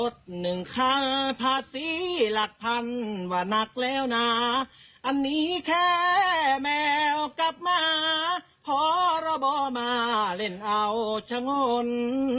ที่รักมาพอเราบ่มาเล่นเอาชะงน